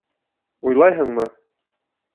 — Уйлайһыңмы?